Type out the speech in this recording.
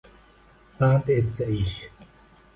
Band etsa ish